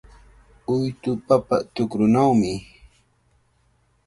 Huytu papa tukrunawmi.